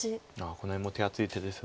この辺も手厚い手です